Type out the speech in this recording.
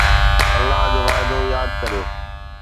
الله جو وعدو ياد ڪريو